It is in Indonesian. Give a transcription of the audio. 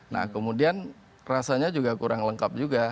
nah kemudian rasanya juga kurang lengkap juga